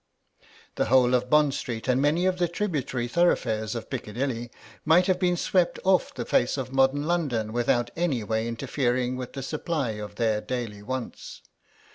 The whole of Bond Street and many of the tributary thoroughfares of Piccadilly might have been swept off the face of modern London without in any way interfering with the supply of their daily wants.